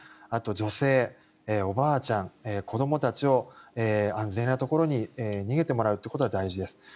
あと、女性おばあちゃん、子どもたちを安全なところに逃げてもらうことが大事です。